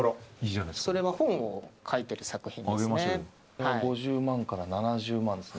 それは本を書いている作品ですね。